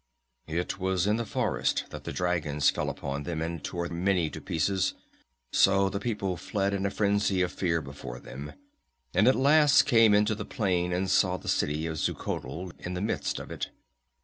"It was in the forest that the dragons fell upon them, and tore many to pieces; so the people fled in a frenzy of fear before them, and at last came into the plain and saw the city of Xuchotl in the midst of it.